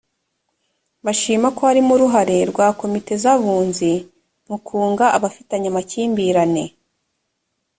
bashima ko harimo uruhare rwa komite z’ abunzi mu kunga abafitanye amakimbirane